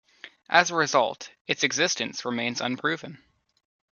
As a result, its existence remains unproven.